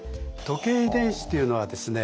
時計遺伝子というのはですね